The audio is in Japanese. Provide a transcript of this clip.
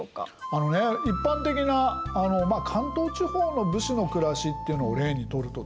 あのね一般的な関東地方の武士の暮らしっていうのを例にとるとですね